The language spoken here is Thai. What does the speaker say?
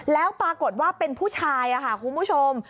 แล้วปรากฏว่าเป็นผู้ชายค่ะคุณผู้ชม